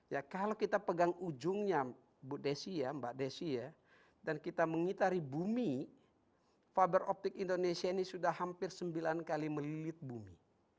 ya kalau kita pegang ujungnya mbak desi ya dan kita mengitari bumi fiber optik indonesia ini sudah hampir sembilan kali melilit bumi